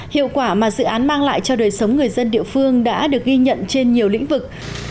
hiệu quả mà dự án mang lại cho đời sống người dân địa phương đã được ghi nhận trên nhiều lĩnh vực